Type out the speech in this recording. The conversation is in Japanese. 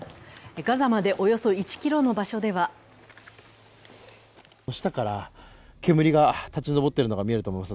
ガザまで、およそ１ｋｍの場所では下から煙が立ち上っているのが見えると思います。